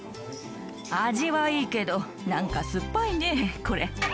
味はいいけど何か酸っぱいねこれ。